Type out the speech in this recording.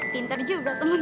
pinter juga temen gue